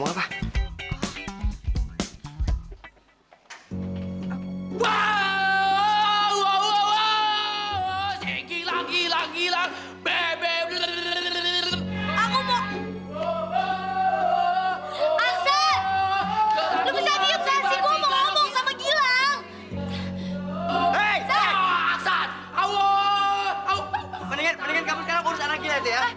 mendingan mendingan kamu sekarang urus anak gilang itu ya